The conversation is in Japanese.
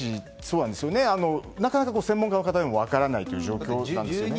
なかなか専門家の方でも分からないという状況なんですね。